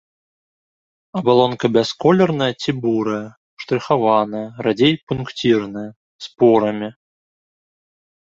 Абалонка бясколерная ці бурая, штрыхаваная, радзей пункцірная, з порамі.